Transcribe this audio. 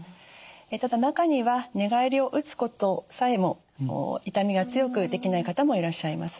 ただ中には寝返りを打つことさえも痛みが強くできない方もいらっしゃいます。